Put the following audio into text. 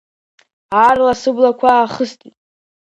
Аарла сыблақәа аахыстит.